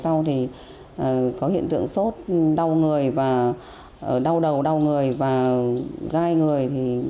sau đó thì có hiện tượng sốt đau đầu đau người và gai người